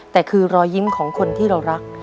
แต่คือรอยยิ้มของคนที่เรารัก